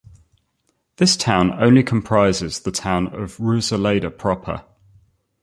This town only comprises the town of Ruiselede proper.